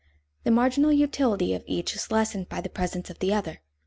The marginal utility of each is lessened by the presence of the other.